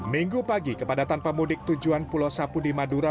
minggu pagi kepadatan pemudik tujuan pulau sapu di madura